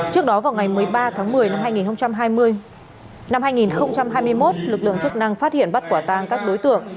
trước đó vào ngày một mươi ba tháng một mươi năm hai nghìn hai mươi một lực lượng chức năng phát hiện bắt quả tang các đối tượng